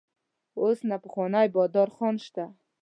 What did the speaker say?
اوس نه پخوانی بادر خان شته.